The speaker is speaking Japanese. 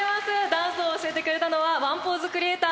ダンスを教えてくれたのはワンポーズクリエイター